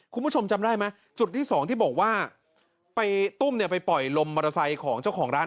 คุณผู้ชมจำได้ไหมจุดที่สองที่บอกว่าไปตุ้มเนี่ยไปปล่อยลมมอเตอร์ไซค์ของเจ้าของร้าน